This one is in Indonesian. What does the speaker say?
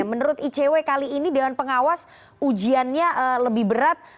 menurut icw kali ini dewan pengawas ujiannya lebih berat